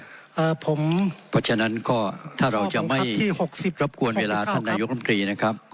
เพราะฉะนั้นก็ถ้าเราจะไม่ที่๖๐รบกวนเวลาท่านนายกรมตรีนะครับ